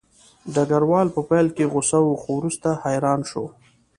ډګروال په پیل کې غوسه و خو وروسته حیران شو